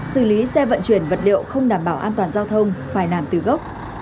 xử lý xe vận chuyển vật liệu không đảm bảo an toàn giao thông phải làm từ gốc